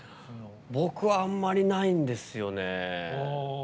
僕は、あんまりないんですよね。